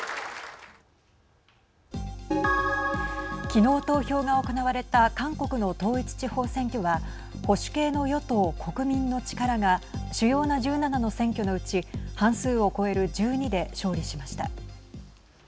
きのう投票が行われた韓国の統一地方選挙は保守系の与党・国民の力が主要な１７の選挙のうち半数を超える１２で勝利しました。